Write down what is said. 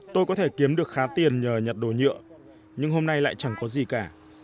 tôi có thể kiếm được khá tiền nhờ nhặt đồ nhựa nhưng hôm nay lại chẳng có gì cả